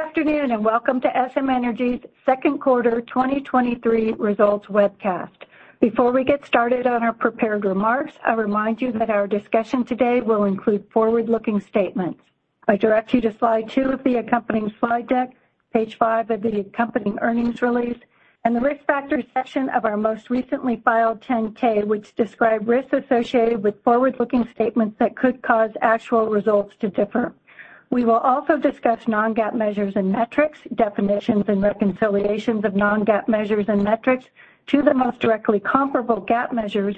Good afternoon, welcome to SM Energy's second quarter 2023 results webcast. Before we get started on our prepared remarks, I remind you that our discussion today will include forward-looking statements. I direct you to slide 2 of the accompanying slide deck, page five of the accompanying earnings release, and the Risk Factors section of our most recently filed 10-K, which describe risks associated with forward-looking statements that could cause actual results to differ. We will also discuss non-GAAP measures and metrics, definitions, and reconciliations of non-GAAP measures and metrics to the most directly comparable GAAP measures,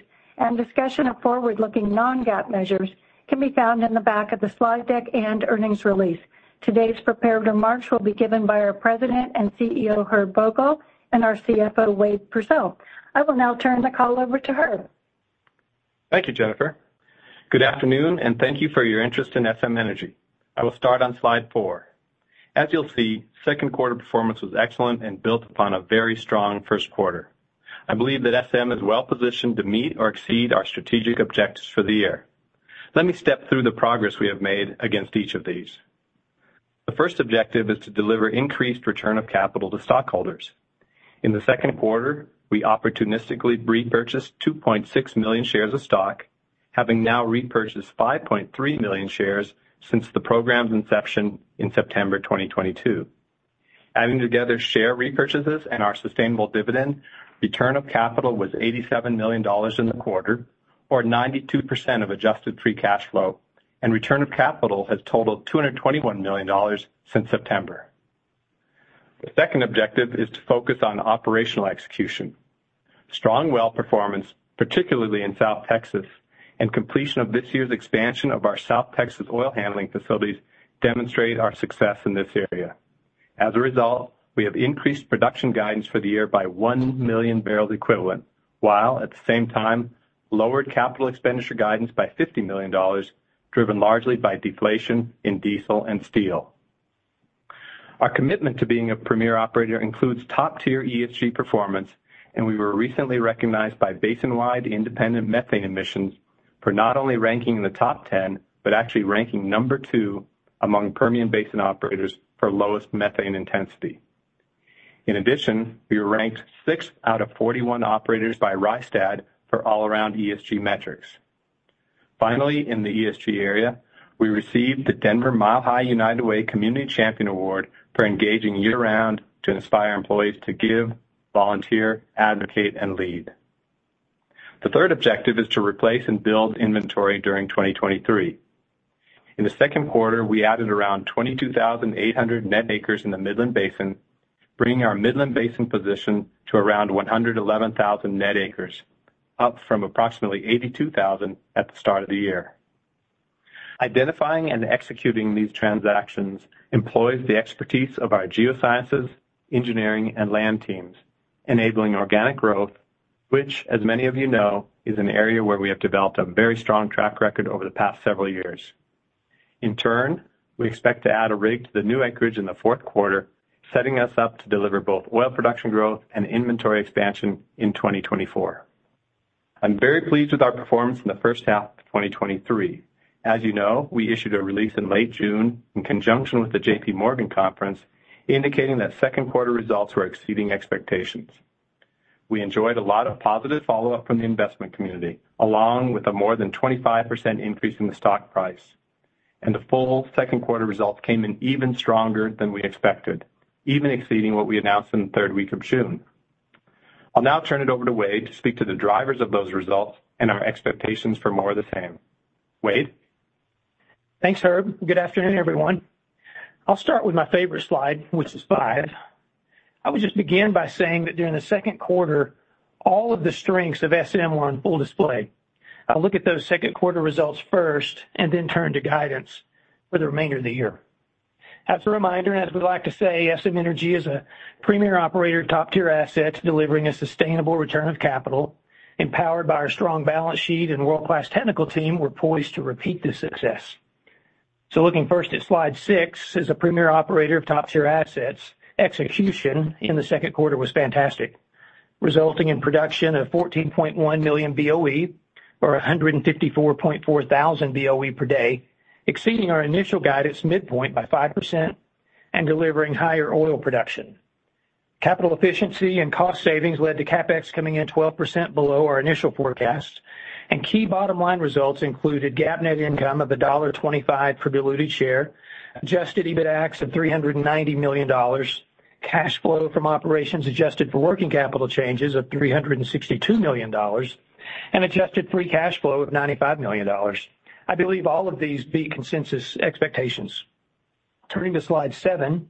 discussion of forward-looking non-GAAP measures can be found in the back of the slide deck and earnings release. Today's prepared remarks will be given by our President and CEO, Herb Vogel, and our CFO, Wade Pursell. I will now turn the call over to Herb. Thank you, Jennifer. Good afternoon, thank you for your interest in SM Energy. I will start on slide four. As you'll see, second quarter performance was excellent and built upon a very strong first quarter. I believe that SM is well-positioned to meet or exceed our strategic objectives for the year. Let me step through the progress we have made against each of these. The first objective is to deliver increased return of capital to stockholders. In the second quarter, we opportunistically repurchased 2.6 million shares of stock, having now repurchased 5.3 million shares since the program's inception in September 2022. Adding together share repurchases and our sustainable dividend, return of capital was $87 million in the quarter, or 92% of adjusted free cash flow, and return of capital has totaled $221 million since September. The second objective is to focus on operational execution. Strong well performance, particularly in South Texas, and completion of this year's expansion of our South Texas oil handling facilities, demonstrate our success in this area. As a result, we have increased production guidance for the year by 1 million barrels equivalent, while at the same time, lowered CapEx guidance by $50 million, driven largely by deflation in diesel and steel. Our commitment to being a premier operator includes top-tier ESG performance, and we were recently recognized by Basinwide independent methane emissions for not only ranking in the top 10, but actually ranking number two among Permian Basin operators for lowest methane intensity. In addition, we were ranked 6th out of 41 operators by Rystad for all-around ESG metrics. Finally, in the ESG area, we received the Denver Mile High United Way Community Champion Award for engaging year-round to inspire employees to give, volunteer, advocate, and lead. The third objective is to replace and build inventory during 2023. In the second quarter, we added around 22,800 net acres in the Midland Basin, bringing our Midland Basin position to around 111,000 net acres, up from approximately 82,000 at the start of the year. Identifying and executing these transactions employs the expertise of our geosciences, engineering, and land teams, enabling organic growth, which, as many of you know, is an area where we have developed a very strong track record over the past several years. In turn, we expect to add a rig to the new acreage in the fourth quarter, setting us up to deliver both oil production growth and inventory expansion in 2024. I'm very pleased with our performance in the first half of 2023. As you know, we issued a release in late June in conjunction with the JPMorgan conference, indicating that second quarter results were exceeding expectations. We enjoyed a lot of positive follow-up from the investment community, along with a more than 25% increase in the stock price, and the full second quarter results came in even stronger than we expected, even exceeding what we announced in the third week of June. I'll now turn it over to Wade to speak to the drivers of those results and our expectations for more of the same. Wade? Thanks, Herb Vogel. Good afternoon, everyone. I'll start with my favorite slide, which is five. I would just begin by saying that during the second quarter, all of the strengths of SM were on full display. I'll look at those second quarter results first and then turn to guidance for the remainder of the year. As a reminder, as we like to say, SM Energy is a premier operator of top-tier assets, delivering a sustainable return of capital. Empowered by our strong balance sheet and world-class technical team, we're poised to repeat this success. Looking first at slide six, as a premier operator of top-tier assets, execution in the second quarter was fantastic, resulting in production of 14.1 million BOE or 154.4 thousand BOE per day, exceeding our initial guidance midpoint by 5% and delivering higher oil production. Capital efficiency and cost savings led to CapEx coming in 12% below our initial forecast, and key bottom-line results included GAAP net income of $1.25 per diluted share, adjusted EBITDAX of $390 million, cash flow from operations adjusted for working capital changes of $362 million, and adjusted free cash flow of $95 million. I believe all of these beat consensus expectations. Turning to slide seven,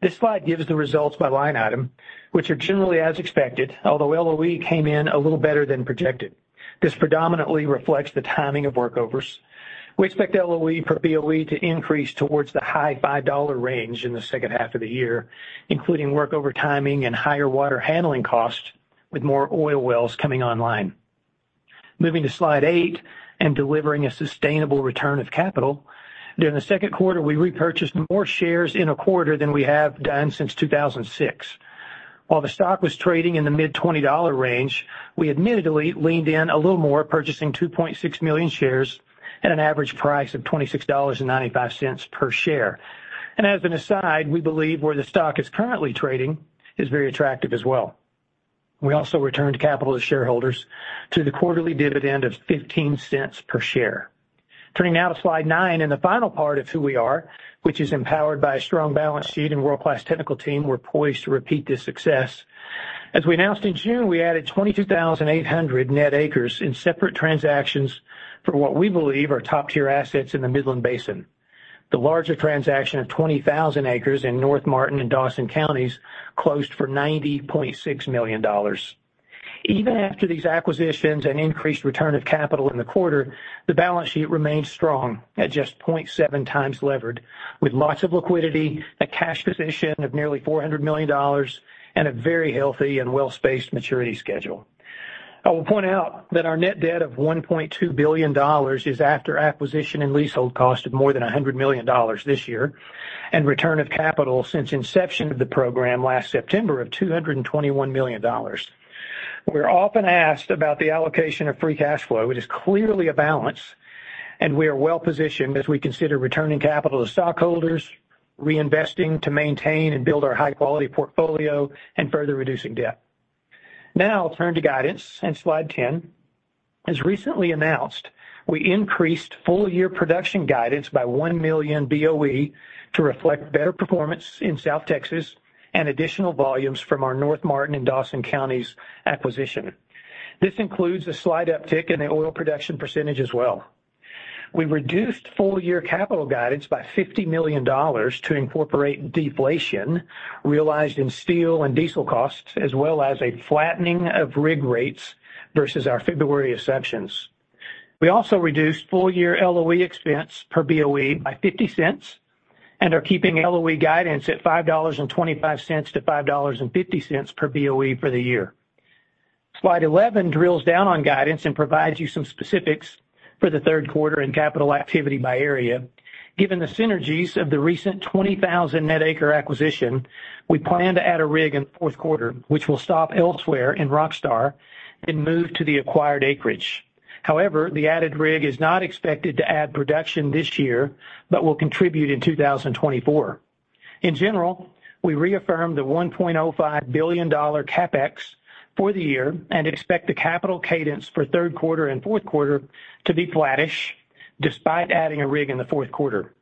this slide gives the results by line item, which are generally as expected, although LOE came in a little better than projected. This predominantly reflects the timing of workovers. We expect LOE per BOE to increase towards the high $5 range in the second half of the year, including workover timing and higher water handling costs, with more oil wells coming online. Moving to slide eight, delivering a sustainable return of capital. During the second quarter, we repurchased more shares in a quarter than we have done since 2006. While the stock was trading in the mid $20 range, we admittedly leaned in a little more, purchasing 2.6 million shares at an average price of $26.95 per share. As an aside, we believe where the stock is currently trading is very attractive as well. We also returned capital to shareholders to the quarterly dividend of $0.15 per share. Turning now to slide nine, the final part of who we are, which is empowered by a strong balance sheet and world-class technical team, we're poised to repeat this success. As we announced in June, we added 22,800 net acres in separate transactions for what we believe are top-tier assets in the Midland Basin. The larger transaction of 20,000 acres in North Martin and Dawson Counties closed for $90.6 million. Even after these acquisitions and increased return of capital in the quarter, the balance sheet remains strong at just 0.7x levered, with lots of liquidity, a cash position of nearly $400 million, and a very healthy and well-spaced maturity schedule. I will point out that our net debt of $1.2 billion is after acquisition and leasehold cost of more than $100 million this year, and return of capital since inception of the program last September of $221 million. We're often asked about the allocation of free cash flow, it is clearly a balance, and we are well positioned as we consider returning capital to stockholders, reinvesting to maintain and build our high-quality portfolio, and further reducing debt. I'll turn to guidance on slide 10. As recently announced, we increased full-year production guidance by 1 million BOE to reflect better performance in South Texas and additional volumes from our North Martin and Dawson Counties acquisition. This includes a slight uptick in the oil production % as well. We reduced full-year capital guidance by $50 million to incorporate deflation, realized in steel and diesel costs, as well as a flattening of rig rates versus our February assumptions. We also reduced full-year LOE expense per BOE by $0.50 and are keeping LOE guidance at $5.25-$5.50 per BOE for the year. Slide 11 drills down on guidance and provides you some specifics for the third quarter and capital activity by area. Given the synergies of the recent 20,000 net acre acquisition, we plan to add a rig in the fourth quarter, which will stop elsewhere in RockStar and move to the acquired acreage. However, the added rig is not expected to add production this year, but will contribute in 2024. In general, we reaffirm the $1.05 billion CapEx for the year and expect the capital cadence for third quarter and fourth quarter to be flattish, despite adding a rig in the fourth quarter.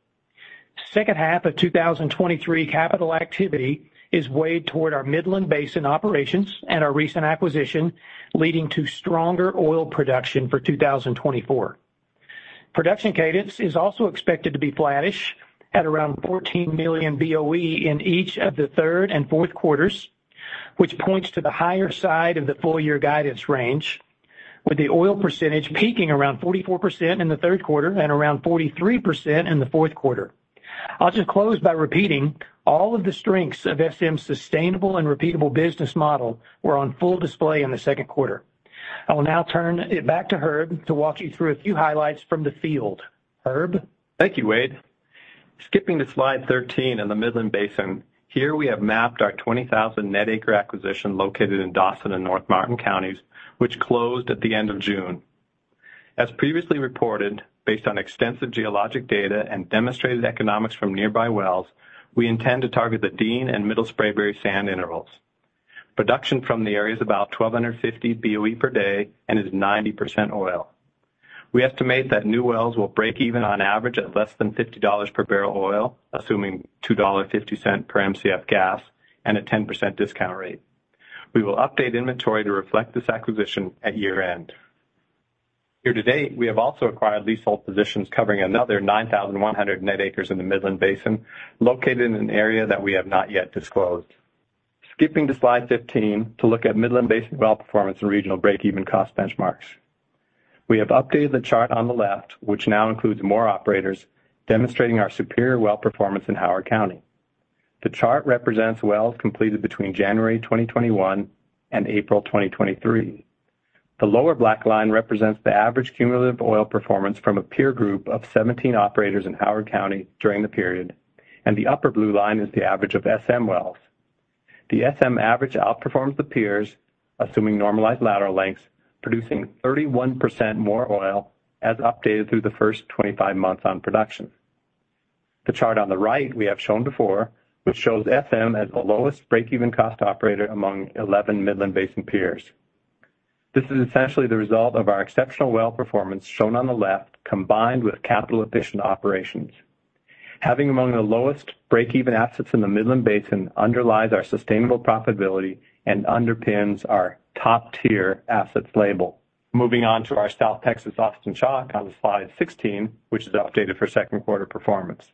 Second half of 2023 capital activity is weighed toward our Midland Basin operations and our recent acquisition, leading to stronger oil production for 2024. Production cadence is also expected to be flattish at around 14 million BOE in each of the third and fourth quarters, which points to the higher side of the full-year guidance range, with the oil percentage peaking around 44% in the third quarter and around 43% in the fourth quarter. I'll just close by repeating, all of the strengths of SM's sustainable and repeatable business model were on full display in the second quarter. I will now turn it back to Herb to walk you through a few highlights from the field. Herb? Thank you, Wade. Skipping to slide 13 in the Midland Basin, here we have mapped our 20,000 net acre acquisition located in Dawson and North Martin Counties, which closed at the end of June. As previously reported, based on extensive geologic data and demonstrated economics from nearby wells, we intend to target the Dean and Middle Spraberry sand intervals. Production from the area is about 1,250 BOE per day and is 90% oil. We estimate that new wells will break even on average at less than $50 per barrel of oil, assuming $2.50 per Mcf gas and a 10% discount rate. We will update inventory to reflect this acquisition at year-end. Year to date, we have also acquired leasehold positions covering another 9,100 net acres in the Midland Basin, located in an area that we have not yet disclosed. Skipping to slide 15 to look at Midland Basin well performance and regional break-even cost benchmarks. We have updated the chart on the left, which now includes more operators, demonstrating our superior well performance in Howard County. The chart represents wells completed between January 2021 and April 2023. The lower black line represents the average cumulative oil performance from a peer group of 17 operators in Howard County during the period, and the upper blue line is the average of SM wells. The SM average outperforms the peers, assuming normalized lateral lengths, producing 31% more oil as updated through the first 25 months on production. The chart on the right we have shown before, which shows SM as the lowest break-even cost operator among 11 Midland Basin peers. This is essentially the result of our exceptional well performance shown on the left, combined with capital-efficient operations. Having among the lowest break-even assets in the Midland Basin underlies our sustainable profitability and underpins our top-tier assets label. Moving on to our South Texas Austin Chalk on slide 16, which is updated for second quarter performance.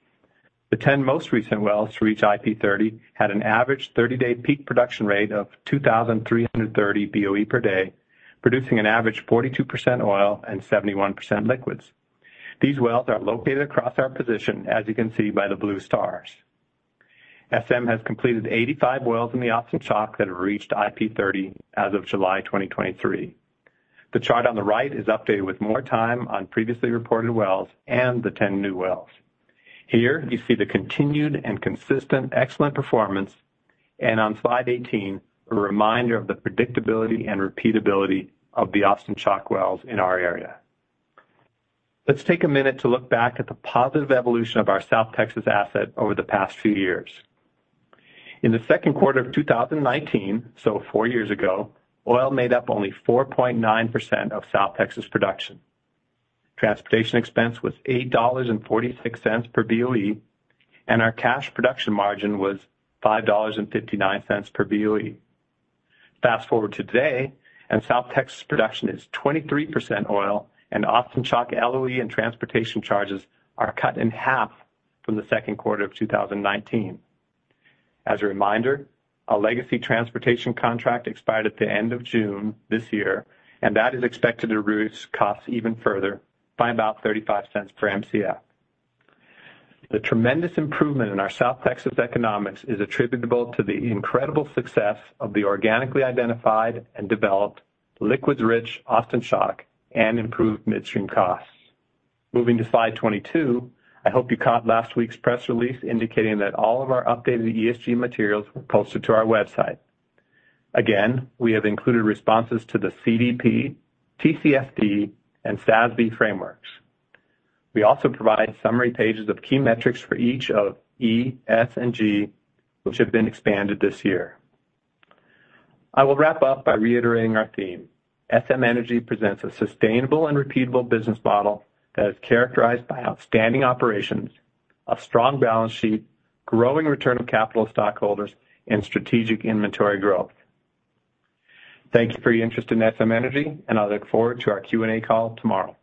The 10 most recent wells to reach IP30 had an average 30-day peak production rate of 2,330 BOE per day, producing an average 42% oil and 71% liquids. These wells are located across our position, as you can see by the blue stars. SM has completed 85 wells in the Austin Chalk that have reached IP30 as of July 2023... The chart on the right is updated with more time on previously reported wells and the 10 new wells. Here, you see the continued and consistent excellent performance. On slide 18, a reminder of the predictability and repeatability of the Austin Chalk wells in our area. Let's take a minute to look back at the positive evolution of our South Texas asset over the past few years. In the second quarter of 2019, so four years ago, oil made up only 4.9% of South Texas production. Transportation expense was $8.46 per BOE. Our cash production margin was $5.59 per BOE. Fast-forward to today, South Texas production is 23% oil. Austin Chalk LOE and transportation charges are cut in half from the second quarter of 2019. As a reminder, our legacy transportation contract expired at the end of June this year. That is expected to reduce costs even further by about $0.35 per Mcf. The tremendous improvement in our South Texas economics is attributable to the incredible success of the organically identified and developed liquids-rich Austin Chalk and improved midstream costs. Moving to slide 22, I hope you caught last week's press release indicating that all of our updated ESG materials were posted to our website. Again, we have included responses to the CDP, TCFD, and SASB frameworks. We also provide summary pages of key metrics for each of E, S, and G, which have been expanded this year. I will wrap up by reiterating our theme. SM Energy presents a sustainable and repeatable business model that is characterized by outstanding operations, a strong balance sheet, growing return of capital stockholders, and strategic inventory growth. Thank you for your interest in SM Energy, and I look forward to our Q&A call tomorrow.